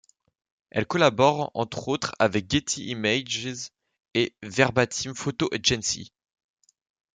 Elle collabore entre autres avec Getty Images et Verbatim Photo Agency.